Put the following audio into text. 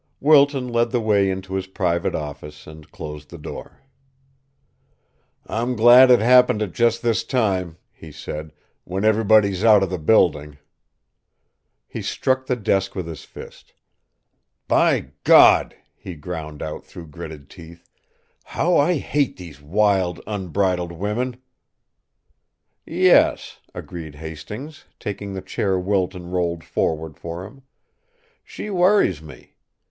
Wilton led the way into his private office and closed the door. "I'm glad it happened at just this time," he said, "when everybody's out of the building." He struck the desk with his fist. "By God!" he ground out through gritted teeth. "How I hate these wild, unbridled women!" "Yes," agreed Hastings, taking the chair Wilton rolled forward for him. "She worries me.